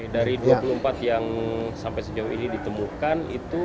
dari dua puluh empat yang sampai sejauh ini ditemukan